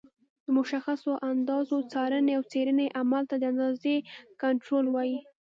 د مشخصو اندازو څارنې او څېړنې عمل ته د اندازې کنټرول وایي.